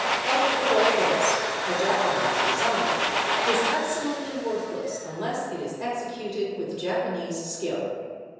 But with all this, a Japanese design is absolutely worthless unless it is executed with Japanese skill.